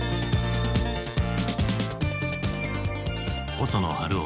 細野晴臣